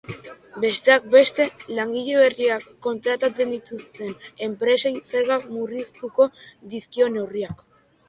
Besteak beste, langile berriak kontratatzen dituzten enpresei zergak murriztuko dizkio neurriak.